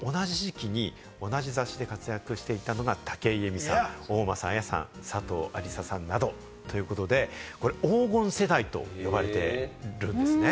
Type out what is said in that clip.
同じ時期に同じ雑誌で活躍していたのが武井咲さん、大政絢さん、佐藤ありささんなど、ということで黄金世代と呼ばれているんですね。